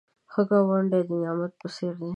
ښه ګاونډی د نعمت په څېر دی